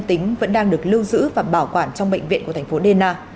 các tỉnh vẫn đang được lưu giữ và bảo quản trong bệnh viện của thành phố dena